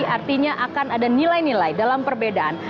artinya akan ada nilai nilai dalam perbedaan